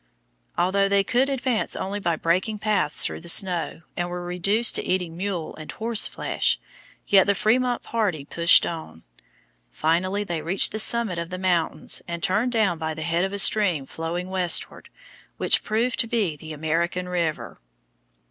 Although they could advance only by breaking paths through the snow, and were reduced to eating mule and horse flesh, yet the Frémont party pushed on. Finally they reached the summit of the mountains and turned down by the head of a stream flowing westward, which proved to be the American River.